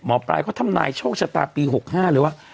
หมอปลายเขาทำนายช่วงชะตาปี๖๕เลยว่า